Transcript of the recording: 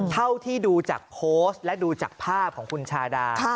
เท่าที่ดูจากโพสต์และดูจากภาพของคุณชาดา